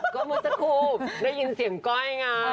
ก็เมื่อสักครู่ได้ยินเสียงก้อยไง